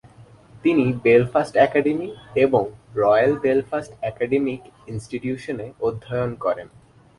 তিনি Belfast Academy এবং Royal Belfast Academic ইনস্টিটিউশনে অধ্যয়ন করেন।